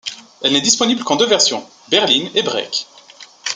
Elle n’est disponible qu’en deux versions, berline et break.